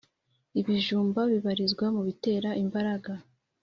Ibijumba bibarizwa mubitera imbaraga